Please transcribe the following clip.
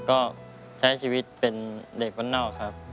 ก็ใช้ชีวิตเป็นเด็กบ้านนอกครับ